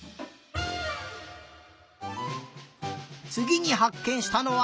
つぎにはっけんしたのは。